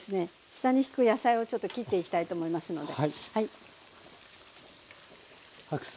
下にしく野菜をちょっと切っていきたいと思いますので。